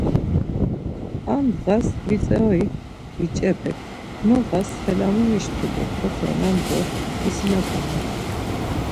Ar ndğas Vitzori biç̌epek noğas felamuriş tude koxenan do isinapaman.